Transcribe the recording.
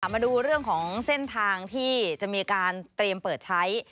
มาดูเรื่องของเส้นทางที่จะมีการเตรียมเปิดใช้